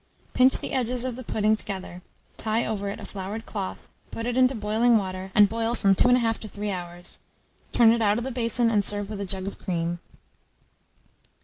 Pinch the edges of the pudding together, tie over it a floured cloth, put it into boiling water, and boil from 2 1/2 to 3 hours; turn it out of the basin, and serve with a jug of cream.